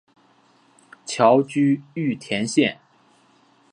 侨居玉田县。